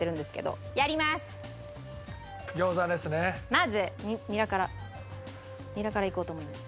まずニラからニラからいこうと思います。